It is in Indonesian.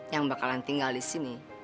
yang bakalan tinggal di sini